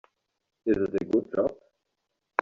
Is it a good job?